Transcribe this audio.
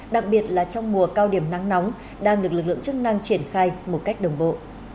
đặc biệt là trong mùa cao điểm nắng nóng đang được lực lượng chức năng triển khai một cách đồng bộ